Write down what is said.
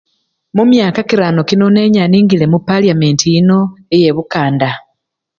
Mumyaka kirano kino nenya nigile mupalyamenti yino iyebukanda.